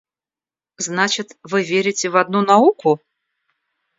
Значит, вы верите в одну науку?